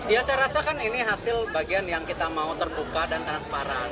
ya saya rasa kan ini hasil bagian yang kita mau terbuka dan transparan